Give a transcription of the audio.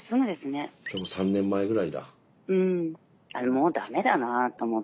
もう駄目だなと思って。